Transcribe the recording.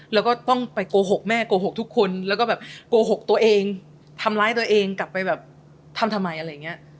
แล้วก็ต้องไปโกหกแม่โกหกทุกคนแล้วก็แบบโกหกตัวเองทำร้ายตัวเองกลับไปแบบทำทำไมอะไรอย่างนี้